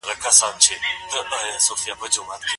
دا نوی سینسر د تودوخې بدلون په سمدستي ډول ښکاره کوي.